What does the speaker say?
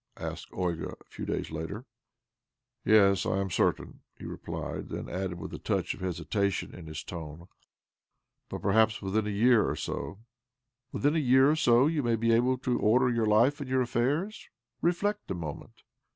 " asked Olga a few days later. "Yes, I am certain," he replied — then added with a touch of hesitation in his tone :" But perhaps within a year or so " "Within a year or so you may be able to order your life and your affairs? Reflect a moment."